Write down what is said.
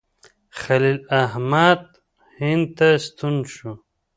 خلیل احمد هند ته ستون شو.